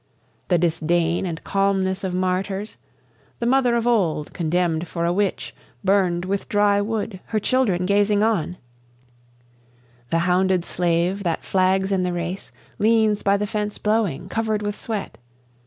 The disdain and calmness of martyrs, The mother of old, condemned for a witch, burned with dry wood, her children gazing on, The hounded slave that flags in the race, leans by the fence blowing, covered with sweat.